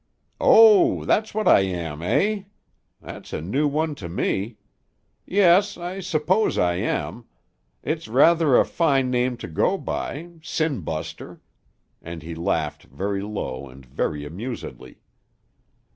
"Oh, that's what I am, eh? That's a new one to me. Yes. I suppose I am. It's rather a fine name to go by sin buster," and he laughed very low and very amusedly.